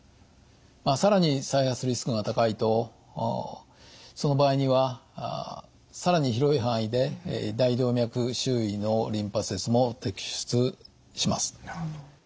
さらに再発リスクが高いとその場合にはさらに広い範囲で大動脈周囲のリンパ節も摘出します。